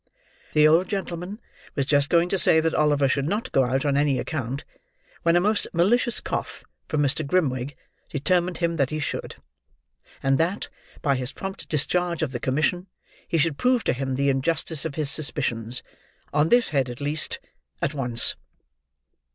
The old gentleman was just going to say that Oliver should not go out on any account; when a most malicious cough from Mr. Grimwig determined him that he should; and that, by his prompt discharge of the commission, he should prove to him the injustice of his suspicions: on this head at least: at once.